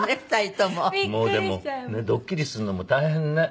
もうでもドッキリするのも大変ね。